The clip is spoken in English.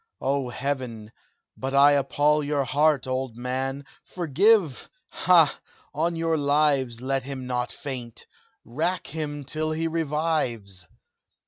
Oh heaven! but I appall Your heart, old man! forgive ha! on your lives Let him not faint! rack him till he revives!